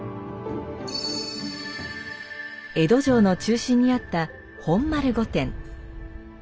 江戸城の中心にあった本丸御殿。